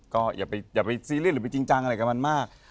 ก็อย่าไปซีเรียสหรือไปจริงจังอะไรกับมันมาก